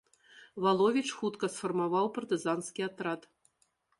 Валовіч хутка сфармаваў партызанскі атрад.